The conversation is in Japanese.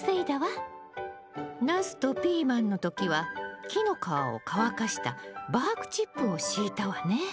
ナスとピーマンの時は木の皮を乾かしたバークチップを敷いたわね。